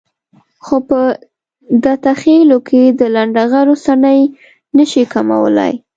خو په دته خېلو کې د لنډغرو څڼې نشي کمولای.